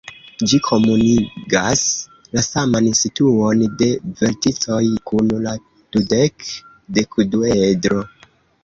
Ĝi komunigas la saman situon de verticoj kun la dudek-dekduedro.